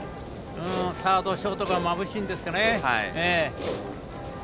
サード、ショートがまぶしいんですかね。